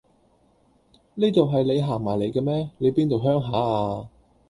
呢度係你行埋嚟嘅咩？你邊度鄉下呀？